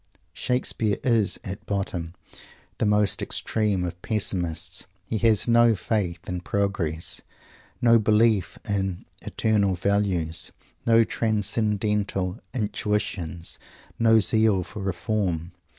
Shakespeare is, at bottom, the most extreme of Pessimists. He has no faith in "progress," no belief in "eternal values," no transcendental "intuitions," no zeal for reform.